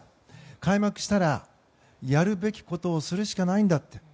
開幕したら、やるべきことをするしかないんだと。